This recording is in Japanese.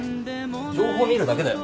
情報見るだけだよ？